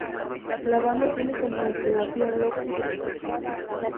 La banda tiene como discográfica Lookout Records.